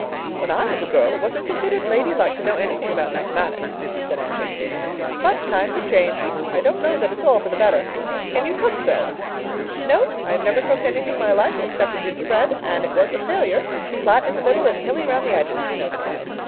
"When I was a girl it wasn't considered lady like to know anything about Mathematics," said Aunt Jamesina. "But times have changed. I don't know that it's all for the better. Can you cook, Phil?" "No, I never cooked anything in my life except a gingerbread and it was a failure—flat in the middle and hilly round the edges. You know the kind.